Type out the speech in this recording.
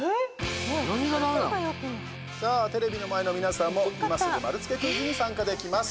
テレビの前の皆さんも今すぐ丸つけクイズに参加できます。